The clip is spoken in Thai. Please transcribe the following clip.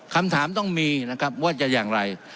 คำถามต้องมีนะครับว่าจะอย่างไร